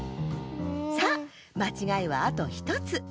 さあまちがいはあと１つ。